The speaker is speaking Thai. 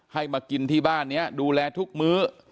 ให้มากินที่บ้านนี้ดูแลทุกมื้อ